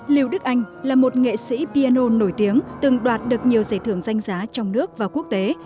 liêu đức anh là một nghệ sĩ piano nổi tiếng từng đoạt được nhiều giải thưởng danh giá trong nước và quốc tế